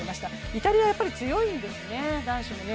イタリア強いんですね。